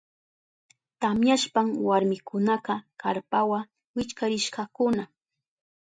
Tamyashpan warmikunaka karpawa wichkarishkakuna.